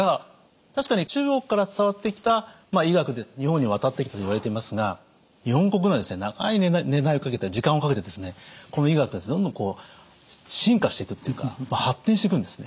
確かに中国から伝わってきた医学で日本に渡ってきたといわれていますが日本国内で長い時間をかけてこの医学がどんどん進化していくっていうか発展していくんですね。